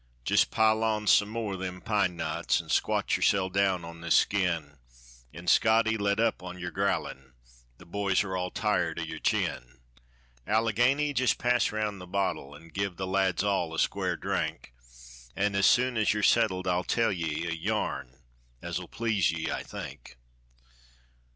Jist pile on some more o' them pine knots, An' squat yoursel' down on this skin, An', Scotty, let up on yer growlin' The boys are all tired o' yer chin. Allegheny, jist pass round the bottle, An' give the lads all a square drink, An' as soon as yer settled I'll tell ye A yarn as 'll please ye, I think.